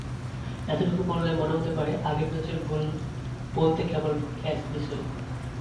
এটুকু পড়লে মনে হতে পারে, আগের ম্যাচের ভুল বলতে কেবল ক্যাচ মিসই।